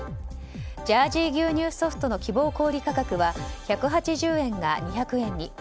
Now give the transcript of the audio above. ジャージー牛乳ソフトの希望小売価格は１８０円が２００円に。